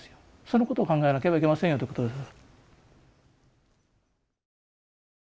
そのことを考えなければいけませんよということですね。